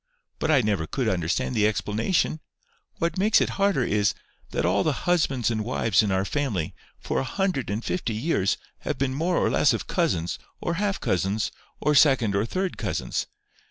But I never could understand the explanation. What makes it harder is, that all the husbands and wives in our family, for a hundred and fifty years, have been more or less of cousins, or half cousins, or second or third cousins.